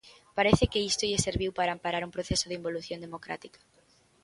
Parece que isto lles serviu para amparar un proceso de involución democrática.